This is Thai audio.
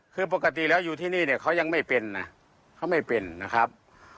คือปกติแล้วอยู่ที่นี่เขายังไม่เป็นนะครับ